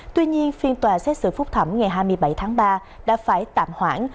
tuy nhiên phiên tòa xét xử phúc thẩm ngày hai mươi bảy tháng ba đã phải tạm hoãn